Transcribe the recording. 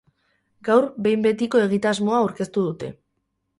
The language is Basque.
Gaur behin-betiko egitasmoa aurkeztu dute.